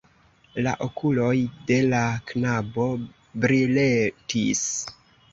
La okuloj de la knabo briletis.